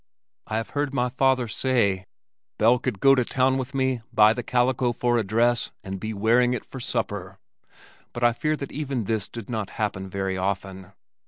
I have heard my father say, "Belle could go to town with me, buy the calico for a dress and be wearing it for supper" but I fear that even this did not happen very often.